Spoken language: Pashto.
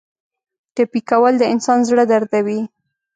ټپي کول د انسان زړه دردوي.